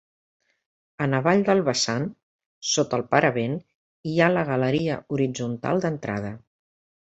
En avall del vessant, sota el paravent, hi ha la galeria horitzontal d'entrada.